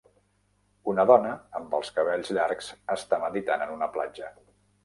Una dona amb els cabells llargs està meditant en una platja.